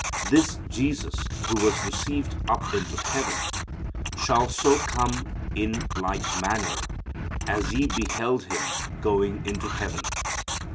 This Jesus who was received up into heaven shall so come in like manner as ye beheld Him going into heaven."